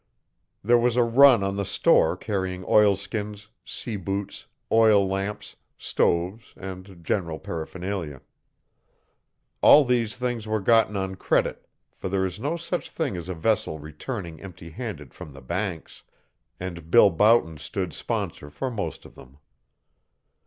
There was a run on the store carrying oilskins, sea boots, oil lamps, stoves, and general paraphernalia. All these things were gotten on credit, for there is no such thing as a vessel returning empty handed from the Banks, and Bill Boughton stood sponsor for most of them.